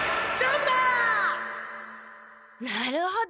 なるほど。